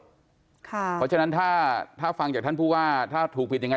เพราะฉะนั้นถ้าฟังจากท่านบุวะถ้าถูกปิดอย่างไร